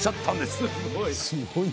すごい。